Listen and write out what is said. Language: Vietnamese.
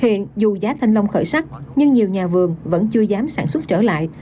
hiện dù giá thanh long khởi sắc nhưng nhiều nhà vườn vẫn chưa dám sản xuất trở lại